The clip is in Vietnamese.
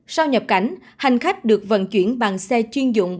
sau nhập cảnh hành khách được vận chuyển bằng xe chuyên dụng